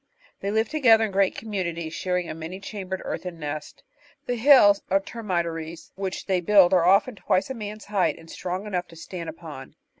They live together in great communities, sharing a many chambered earthen nest. The hills or termitaries, which they build are often twice a man's height and strong enough to stand upon.